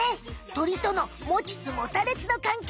鳥とのもちつもたれつの関係。